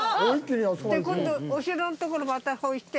今度お城んところまた押して。